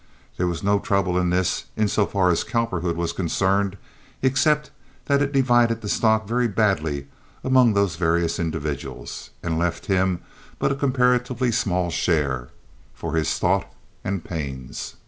There was no trouble in this, in so far as Cowperwood was concerned, except that it divided the stock very badly among these various individuals, and left him but a comparatively small share—for his thought and pains.